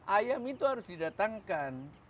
ayam itu harus didatangkan